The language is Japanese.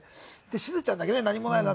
しずちゃんだけね何もない。